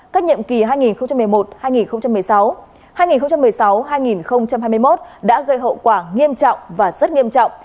các nhiệm kỳ hai nghìn một mươi một hai nghìn một mươi sáu hai nghìn một mươi sáu hai nghìn hai mươi một đã gây hậu quả nghiêm trọng và rất nghiêm trọng